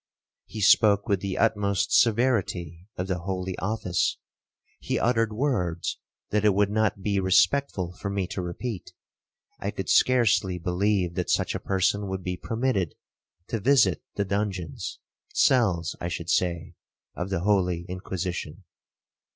He spoke with the utmost severity of the holy office,—he uttered words that it would not be respectful for me to repeat. I could scarcely believe that such a person would be permitted to visit the dungeons (cells, I should say) of the holy Inquisition.'